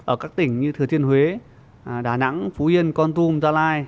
ở các tỉnh như thừa thiên huế đà nẵng phú yên con tum gia lai